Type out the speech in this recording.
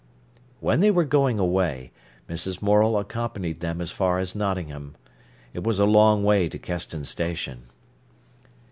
When they were going away, Mrs. Morel accompanied them as far as Nottingham. It was a long way to Keston station.